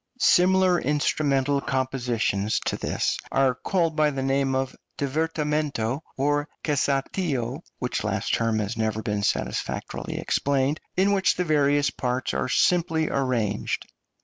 Similar instrumental compositions to this are called by the name of divertimento or cassatio (which last term has never been satisfactorily explained), in which the various parts are simply arranged.